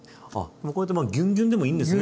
もうこうやってギュンギュンでもいいんですね。